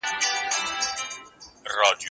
زه هره ورځ سبا ته پلان جوړوم،